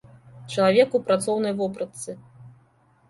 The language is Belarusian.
Чалавек у працоўнай вопратцы.